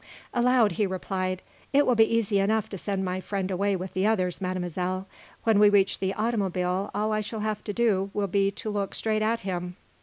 Aloud he replied: "It will be easy enough to send my friend away with the others, Mademoiselle. When we reach the automobile all I shall have to do will be to look straight at him."